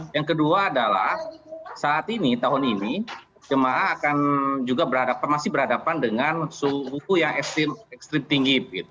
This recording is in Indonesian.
yang kedua adalah saat ini tahun ini jemaah akan juga masih berhadapan dengan suhu yang ekstrim tinggi